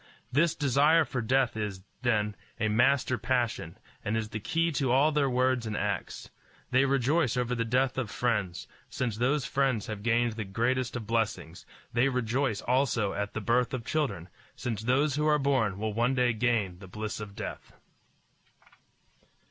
This desire for death is, then, a master passion, and is the key to all their words and acts. They rejoice over the death of friends, since those friends have gained the greatest of blessings; they rejoice also at the birth of children, since those who are born will one day gain the bliss of death.